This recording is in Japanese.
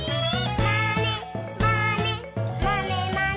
「まねまねまねまね」